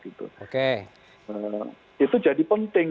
itu jadi penting